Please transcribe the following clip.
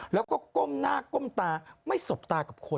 แล้วก็ก้มหน้าก้มตาไม่สบตากับคน